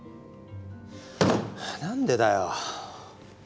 何でだよ。